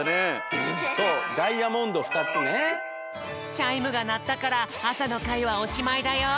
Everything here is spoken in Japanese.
チャイムがなったからあさのかいはおしまいだよ。